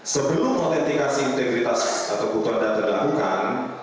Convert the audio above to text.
sebelum autentikasi integritas kebutuhan data dilakukan